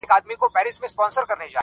له ما پـرته وبـــل چــــــاتــــــه